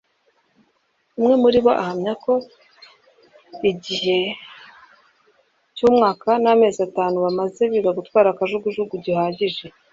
umwe muri bo ahamya ko mu gihe cy’umwaka n’amezi atanu bamaze biga gutwara kajugujugu gihagije